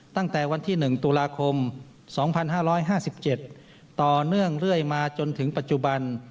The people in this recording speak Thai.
ตั้งแต่วันที่๑ตุลาคม๒๕๕๗ต่อเนื่องเรื่อยมาจนถึงปัจจุบัน